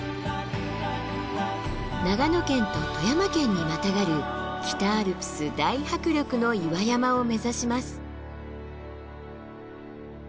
長野県と富山県にまたがる北アルプス大迫力の岩山を目指します。